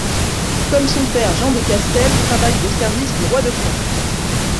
Comme son père, Jean de Castel travaille au service du roi de France.